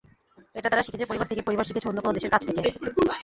এটা তারা শিখেছে পরিবার থেকে, পরিবার শিখেছে অন্য কোনো দেশের কাছ থেকে।